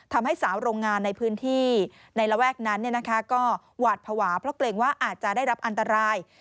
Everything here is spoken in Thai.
ทำให้สาวโรงงานในพื้นที่ในระแวกนั้นก็หวาดภาวะเพราะเกรงว่าอาจจะได้รับอันตราย